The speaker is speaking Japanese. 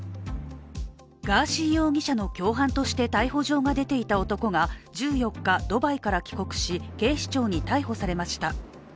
ガーシー容疑者の共犯として逮捕状が出ていた男が１４日、ドバイから帰国し、警視庁に逮捕されました。